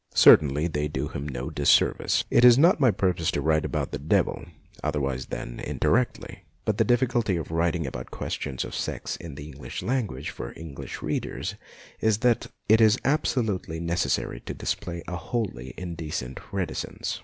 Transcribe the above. Certainly they do him no dis service. It is not my purpose to write about the devil, otherwise than indirectly, but the diffi culty of writing about questions of sex in the English language for English readers is that it is absolutely necessary to display a wholly indecent reticence.